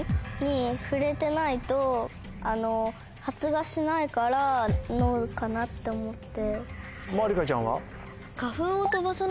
発芽しないからＮｏかなって思って。